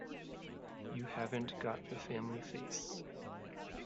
You haven't got the family face.